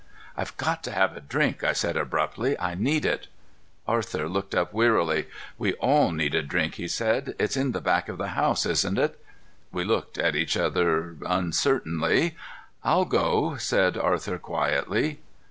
"I've got to have a drink," I said abruptly. "I need it." Arthur looked up wearily. "We all need a drink," he said. "It's in the back of the house, isn't it?" We looked at each other uncertainly. "I'll go," said Arthur quietly.